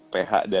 ph dan io